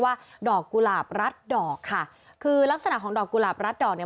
ว่าดอกกุหลาบรัดดอกค่ะคือลักษณะของดอกกุหลาบรัดดอกเนี่ย